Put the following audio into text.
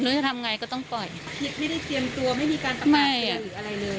มันรู้จะทำง่ายก็ต้องปล่อยผิดไม่ได้เตรียมตัวไม่มีการประกาศ